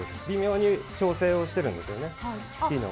微妙に調整をしてるんですよね。